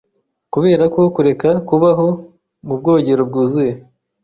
kuberako kureka kubaho mubwogero bwuzuye